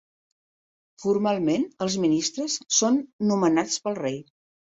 Formalment, els ministres són nomenats pel rei.